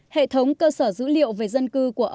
hệ thống cơ sở dữ liệu về dân cư của ông